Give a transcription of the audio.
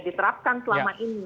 diterapkan selama ini